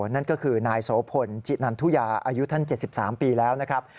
นั่นก็คือนายโสพลจินันทุยาอายุท่าน๗๓ปีแล้วนะครับ